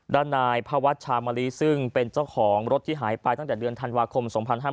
ด้านนายพระวัชชามะลิซึ่งเป็นเจ้าของรถที่หายไปตั้งแต่เดือนธันวาคม๒๕๕๙